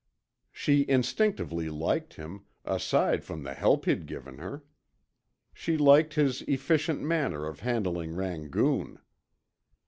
She instinctively liked him, aside from the help he'd given her. She liked his efficient manner of handling Rangoon.